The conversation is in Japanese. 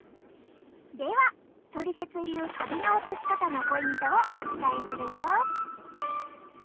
ではトリセツ流カビの落とし方のポイントをお伝えするよ。